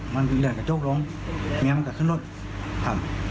มันเริ่มกับโจ๊กลงเมียมันก็ขึ้นรถ